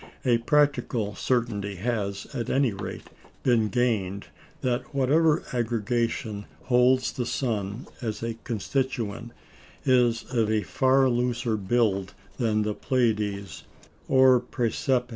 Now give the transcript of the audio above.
A practical certainty has, at any rate, been gained that whatever aggregation holds the sun as a constituent is of a far looser build than the Pleiades or Præsepe.